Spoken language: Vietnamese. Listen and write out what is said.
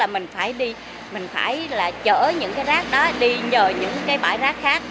mình phải chở những rác đó đi nhờ những bãi rác khác